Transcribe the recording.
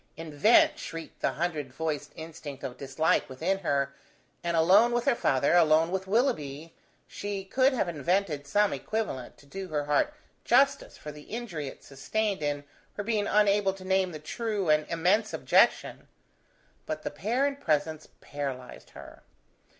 Invent! shrieked the hundred voiced instinct of dislike within her, and alone with her father, alone with Willoughby, she could have invented some equivalent, to do her heart justice for the injury it sustained in her being unable to name the true and immense objection: but the pair in presence paralyzed her.